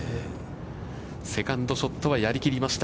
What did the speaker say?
セカンドショットはやりきりました。